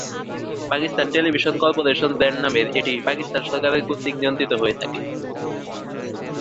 Pakistan television corporation brand নামের এটি পাকিস্তান সরকারের কর্তৃক নিয়ন্ত্রিত হয়ে থাকে।